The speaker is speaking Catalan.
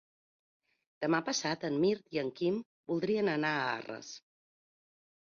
Demà passat en Mirt i en Quim voldrien anar a Arres.